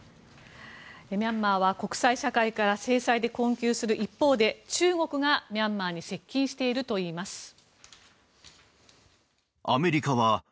ミャンマーは国際社会から制裁で困窮する一方で中国がミャンマーに接近しているといいます。